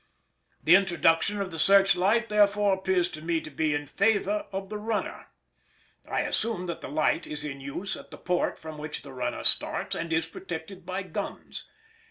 The introduction of the search light therefore appears to me to be in favour of the runner. I assume that the light is in use at the port from which the runner starts and is protected by guns.